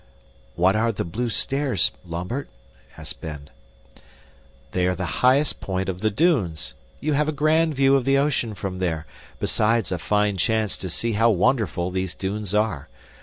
"What are the Blue Stairs, Lambert?" asked Ben. "They are the highest point of the Dunes. You have a grand view of the ocean from there, besides a fine chance to see how wonderful these dunes are.